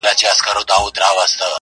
خدای بې اجر راکړي بې ګنا یم ښه پوهېږمه-